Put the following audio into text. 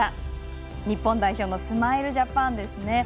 日本代表、スマイルジャパンです。